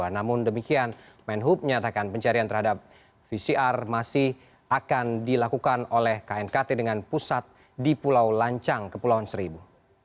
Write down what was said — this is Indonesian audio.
namun demikian menhub menyatakan pencarian terhadap vcr masih akan dilakukan oleh knkt dengan pusat di pulau lancang kepulauan seribu